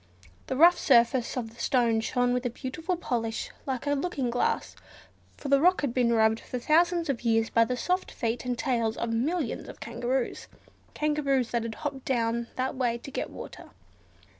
The rough surface of the stone shone with a beautiful polish like a looking glass, for the rock had been rubbed for thousands of years by the soft feet and tails of millions of kangaroos: kangaroos that had hopped down that way to get water.